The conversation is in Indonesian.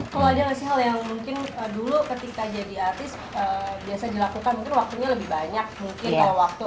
kalau ada gak sih hal yang mungkin dulu ketika jadi artis biasa dilakukan mungkin waktunya lebih banyak mungkin kayak waktu